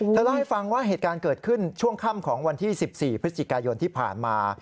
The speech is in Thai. เล่าให้ฟังว่าเหตุการณ์เกิดขึ้นช่วงค่ำของวันที่๑๔พฤศจิกายนที่ผ่านมา